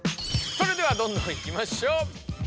それではどんどんいきましょう。